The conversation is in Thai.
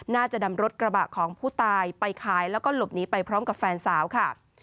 น่าจะนำรถกระบะของผู้ตายไปขายแล้วก็หลบหนีไปพร้อมกับแฟนสาวค่ะ